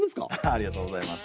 ありがとうございます。